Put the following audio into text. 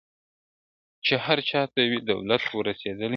چي هر چا ته وي دولت وررسېدلی -